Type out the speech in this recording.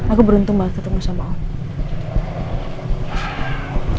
aku beruntung banget ketemu sama om